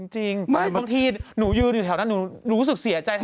จริงไม่บางทีหนูยืนอยู่แถวนั้นหนูรู้สึกเสียใจ